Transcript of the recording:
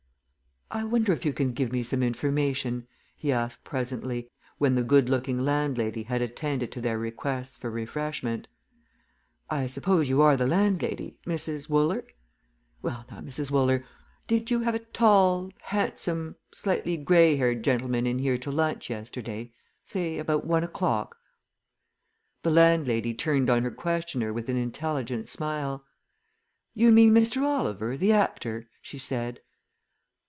"I wonder if you can give me some information?" he asked presently, when the good looking landlady had attended to their requests for refreshment. "I suppose you are the landlady Mrs. Wooler? Well, now, Mrs. Wooler, did you have a tall, handsome, slightly grey haired gentleman in here to lunch yesterday say about one o'clock?" The landlady turned on her questioner with an intelligent smile. "You mean Mr. Oliver, the actor?" she said.